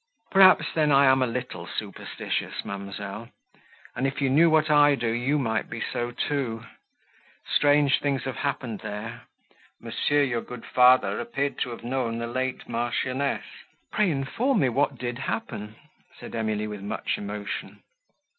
"Perhaps, then, I am a little superstitious, ma'amselle; and, if you knew what I do, you might be so too. Strange things have happened there. Monsieur, your good father, appeared to have known the late Marchioness." "Pray inform me what did happen?" said Emily, with much emotion.